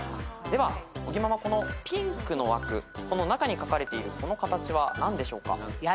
では尾木ママこのピンクの枠中に描かれているこの形は何でしょうか？